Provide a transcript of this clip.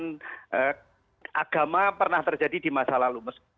dan agama pernah terjadi di masa lalu